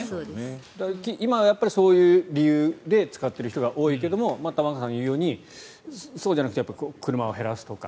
今はそういう理由で使っている人が多いけれども玉川さんが言うようにそうじゃなくて車を減らすとか